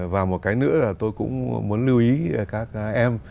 và một cái nữa là tôi cũng muốn lưu ý các em